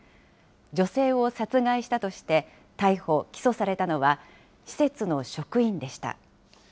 女性を殺害したとして、逮捕・起訴されたのは、施設の職員でした。